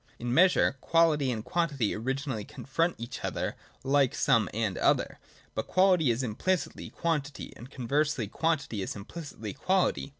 In measure, quality and quantity originally confront each other, like some and other. But quality is implicitly quantity, and conversely quantity is implicitly quality.